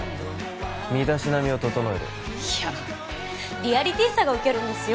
身だしなみを整えろいやリアリティーさがウケるんですよ